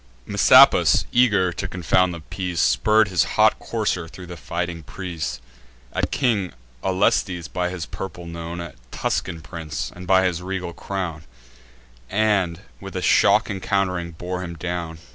Messapus, eager to confound the peace, Spurr'd his hot courser thro' the fighting press, At King Aulestes, by his purple known A Tuscan prince, and by his regal crown; And, with a shock encount'ring, bore him down.